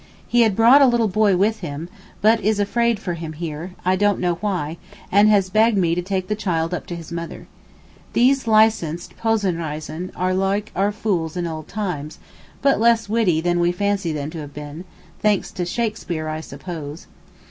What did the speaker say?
He had brought a little boy with him, but is 'afraid for him' here, I don't know why, and has begged me to take the child up to his mother. These licensed possenreisser are like our fools in old times—but less witty than we fancy them to have been—thanks to Shakespeare, I suppose.